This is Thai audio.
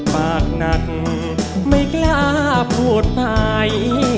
ปากหนักไม่กล้าพูดไป